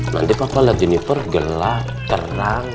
nanti papa lagi nifer gelap terang